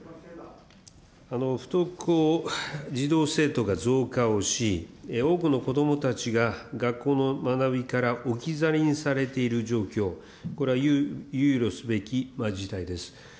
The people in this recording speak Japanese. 不登校児童・生徒が増加をし、多くのこどもたちが学校の学びから置き去りにされている状況、これは憂慮すべき事態です。